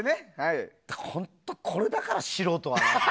本当、これだから素人はなって。